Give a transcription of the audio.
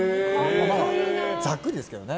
ざっくりですけどね